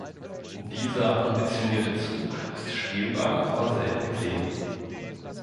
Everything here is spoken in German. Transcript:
Dieser ambitionierte Zug ist spielbar, aber selten gesehen.